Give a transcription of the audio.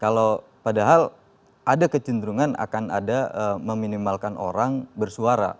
kalau padahal ada kecenderungan akan ada meminimalkan orang bersuara